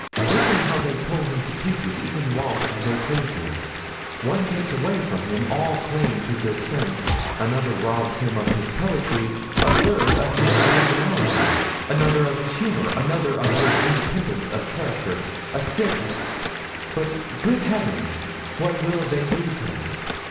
Listen how they pull him to pieces even whilst they praise him; one takes away from him all claim to good sense, another robs him of his poetry, a third of his originality, another of his humor, another of his independence of character, a sixth—but, good heavens! what will they leave him?